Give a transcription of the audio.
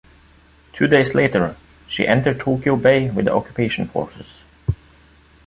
Two days later, she entered Tokyo Bay with the occupation forces.